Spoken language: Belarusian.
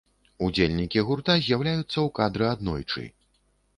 Удзельнікі гурта з'яўляюцца ў кадры аднойчы.